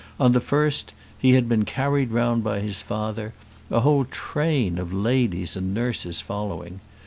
On the first, he had been carried round by his father, a whole train of ladies and nurses following.